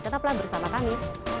ketaplah bersama kami